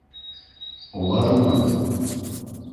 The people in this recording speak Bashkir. Улармы?